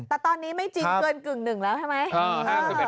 แต่ตอนนี้ไม่จริงเกินกึ่งหนึ่งแล้วใช่ไหม